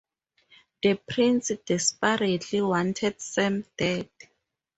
The prince desperately wanted Sam dead.